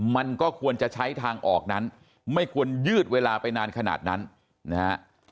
มันก็ควรจะใช้ทางออกนั้นไม่ควรยืดเวลาไปนานขนาดนั้นนะฮะ